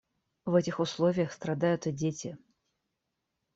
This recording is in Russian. В этих условиях страдают и дети.